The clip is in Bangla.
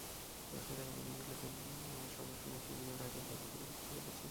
কষ্টে থাকা মানুষগুলোর জন্য সবার সঙ্গে তিনিও ঢাকার পথে ফুল বিক্রি করেছেন।